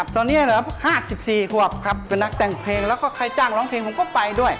ตอนนี้เหลือ๕๔ขวบครับเป็นนักแต่งเพลงแล้วก็ใครจ้างร้องเพลงผมก็ไปด้วย